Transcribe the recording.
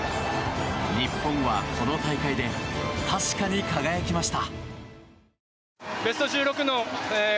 日本はこの大会で確かに輝きました。